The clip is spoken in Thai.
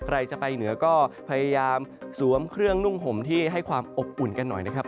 ใครจะไปเหนือก็พยายามสวมเครื่องนุ่งห่มที่ให้ความอบอุ่นกันหน่อยนะครับ